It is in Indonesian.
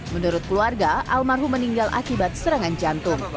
menurut keluarga almarhum meninggal akibat serangan jantung